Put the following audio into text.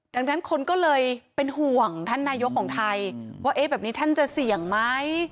ดังนั้นคนก็เลยเป็นห่วงท่านนายกของไทยว่าเอ๊ะแบบนี้ท่านจะเสี่ยงไหม